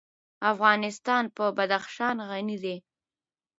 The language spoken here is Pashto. افغانستان په بدخشان غني دی.